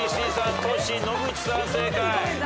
トシ野口さん正解。